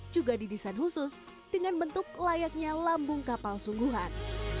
juga didesain khusus dengan bentuk layaknya lambung kapal sungguhan